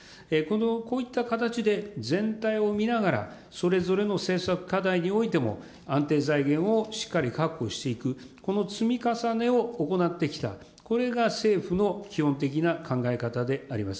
こういった形で全体を見ながら、それぞれの政策課題においても、安定財源をしっかり確保していく、この積み重ねを行ってきた、これが政府の基本的な考え方であります。